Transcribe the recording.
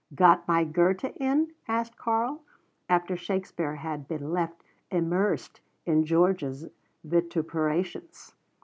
"Got my Goethe in?" asked Karl, after Shakespeare had been left immersed in Georgia's vituperations.